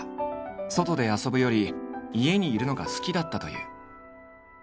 外で遊ぶより家にいるのが好きだったという。